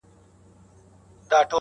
• یو که بل وي نو څلور یې پښتانه وي..